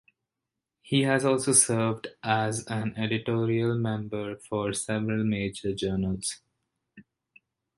He has also served as an editorial board member for several major journals.